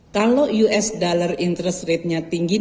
kalau us dollar interest rate nya tinggi